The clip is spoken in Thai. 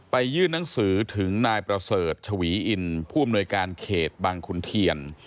ยื่นหนังสือถึงนายประเสริฐชวีอินผู้อำนวยการเขตบางขุนเทียน